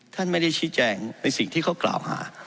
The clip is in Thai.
ท่านไม่ได้ชี้แจงในสิ่งที่เขากล่าวหา